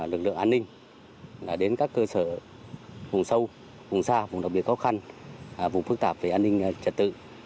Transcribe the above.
lực lượng an ninh đến các cơ sở vùng sâu vùng xa vùng đặc biệt khó khăn vùng phức tạp về an ninh trật tự